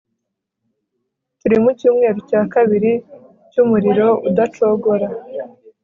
turi mucyumweru cya kabiri cyumuriro udacogora